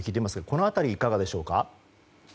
この辺りいかがでしょうか？